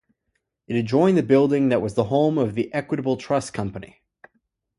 It adjoined the building that was the home of Equitable Trust Company.